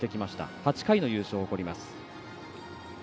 ８回の優勝を誇ります。